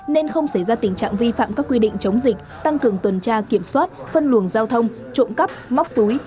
nên không xảy ra tình trạng vi phạm các quy định chống dịch tăng cường tuần tra kiểm soát phân luồng giao thông trộm cắp móc túi